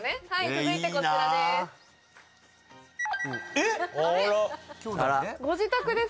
続いてこちらです。